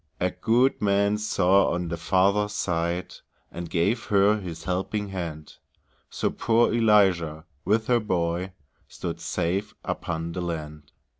A good man saw on the farther side, And gave her his helping hand; So poor Eliza, with her boy, Stood safe upon the land.